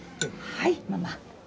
はいママ。